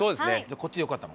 こっちでよかったの？